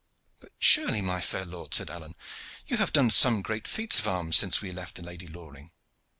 "But surely, my fair lord," said Alleyne, "you have done some great feats of arms since we left the Lady Loring."